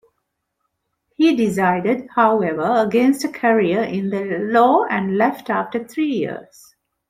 He decided, however, against a career in the law and left after three years.